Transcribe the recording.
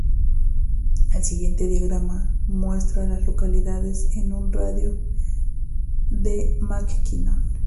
El siguiente diagrama muestra a las localidades en un radio de de McKinnon.